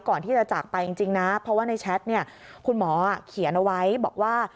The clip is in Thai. ก่อนที่จะจักรไปจริงนะเพราะว่าในแชตนี้คุณหมอเขียนไว้บอกว่า